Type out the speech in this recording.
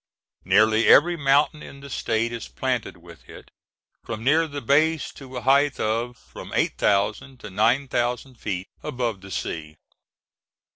Nearly every mountain in the State is planted with it from near the base to a height of from eight thousand to nine thousand feet above the sea.